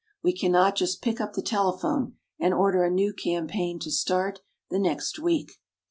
We cannot just pick up the telephone and order a new campaign to start the next week.